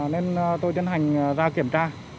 nên tôi tiến hành ra kiểm tra